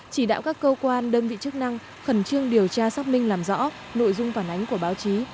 chỉ đạo các cơ quan đơn vị chức năng khẩn trương điều tra xác minh làm rõ nội dung phản ánh của báo chí